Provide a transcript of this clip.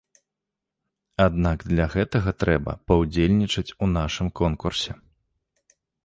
Аднак для гэтага трэба паўдзельнічаць у нашым конкурсе.